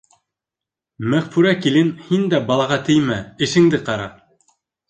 Мәғфүрә килен, һин дә балаға теймә, эшеңде ҡара.